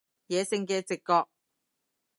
野性嘅直覺